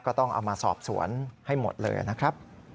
ก็ต้องเอามาสอบสวนให้หมดเลยนะครับ